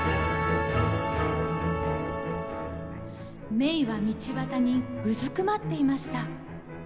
メイは道端にうずくまっていました。